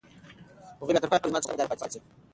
هغه به تر پایه پورې زما تر څنګ وفاداره پاتې شي.